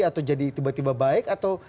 atau jadi tiba tiba baik atau